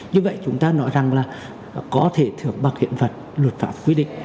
như vậy chúng ta nói rằng là có thể thưởng bằng hiện vật luật phạm quy định